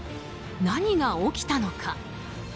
何が起きたのか。